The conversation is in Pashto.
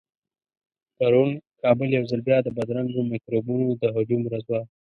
پرون کابل يو ځل بيا د بدرنګو مکروبونو د هجوم ورځ وه.